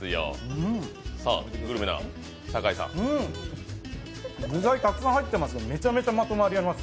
うん、具材がたくさん入ってますが、めちゃめちゃまとまります。